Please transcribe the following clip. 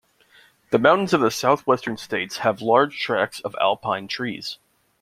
The mountains of the southwestern states have large tracts of alpine trees.